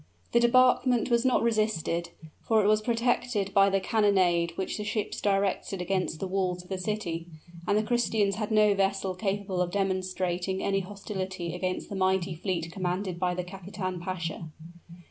The debarkment was not resisted; for it was protected by the cannonade which the ships directed against the walls of the city, and the Christians had no vessel capable of demonstrating any hostility against the mighty fleet commanded by the kapitan pasha.